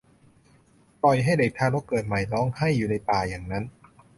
ปล่อยให้เด็กทารกเกิดใหม่ร้องไห้อยู่ในป่าอย่างนั้น